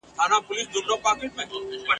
له ګیدړ څخه یې وکړله پوښتنه ..